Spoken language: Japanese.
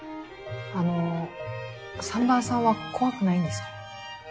あのう３番さんは怖くないんですか？